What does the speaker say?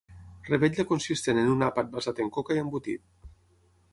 Revetlla consistent en un àpat basat en coca i embotit.